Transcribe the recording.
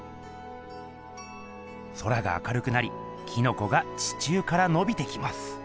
空が明るくなりキノコが地中からのびてきます。